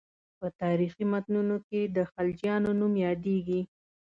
په تاریخي متونو کې د خلجیانو نوم یادېږي.